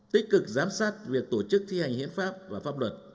tích cực giám sát việc tổ chức thi hành hiến pháp và pháp luật